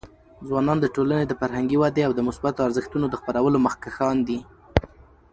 ځوانان د ټولنې د فرهنګي ودي او د مثبتو ارزښتونو د خپرولو مخکښان دي.